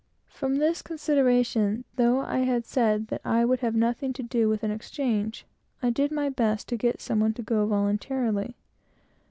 From this consideration, though I had said that I would have nothing to do with an exchange, I did my best to get some one to go voluntarily.